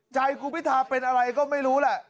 ใจคุณพิทาเป็นอะไรก็ไม่รู้แหละ